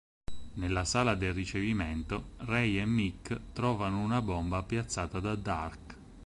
Nella sala del ricevimento, Ray e Mick trovano una bomba piazzata da Darhk.